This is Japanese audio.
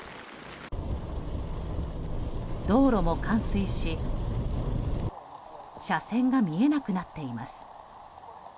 道路も冠水し車線が見えなくなっています。